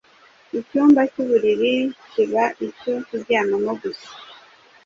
icyumba cy’uburiri kiba icyo kuryamamo gusa,